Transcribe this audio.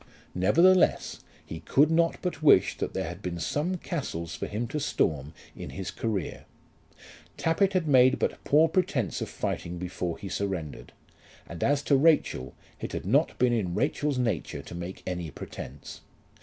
Nevertheless he could not but wish that there had been some castles for him to storm in his career. Tappitt had made but poor pretence of fighting before he surrendered; and as to Rachel, it had not been in Rachel's nature to make any pretence.